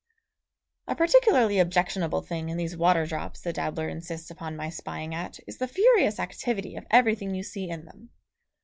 A particularly objectionable thing in these water drops, the dabbler insists upon my spying at is the furious activity of everything you see in them.